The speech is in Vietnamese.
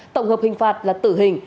tổng hợp hình phạt là tử hình